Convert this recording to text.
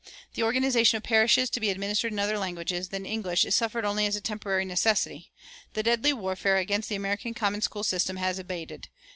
The organization of parishes to be administered in other languages than English is suffered only as a temporary necessity. The deadly warfare against the American common school system has abated.